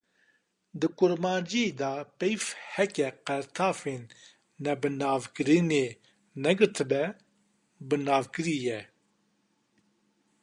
Di kurmanciyê de peyv heke qertafên nebinavkirinê negirtibe, binavkirî ye.